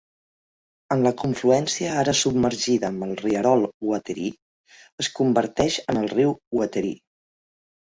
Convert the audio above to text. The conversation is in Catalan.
En la confluència ara submergida amb el rierol Wateree, es converteix en el riu Wateree.